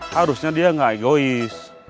harusnya dia gak egois